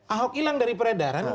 ahok hilang dari peredaran